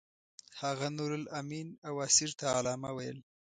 هغه نورالامین او اسیر ته علامه ویل.